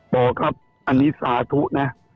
บอกครับอันนี้สาธุนะ